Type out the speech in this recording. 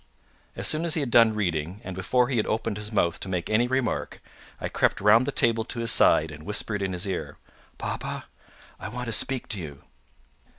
As soon as he had done reading, and before he had opened his mouth to make any remark, I crept round the table to his side, and whispered in his ear, "Papa, I want to speak to you."